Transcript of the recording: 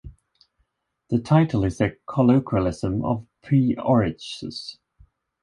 The title is a colloquialism of P-Orridge's.